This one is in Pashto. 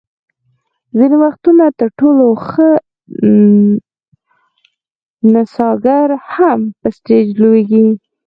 ځینې وختونه تر ټولو ښه نڅاګر هم په سټېج لویږي.